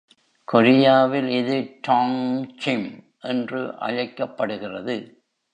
கொரியாவில், இது ttongchim என்று அழைக்கப்படுகிறது.